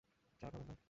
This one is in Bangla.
চা খাবেন না?